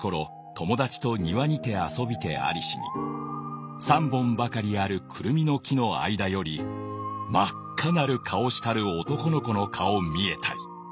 友だちと庭にて遊びてありしに三本ばかりある胡桃の木の間より真赤なる顔したる男の子の顔見えたり。